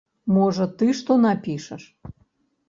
Можа, ты што напішаш?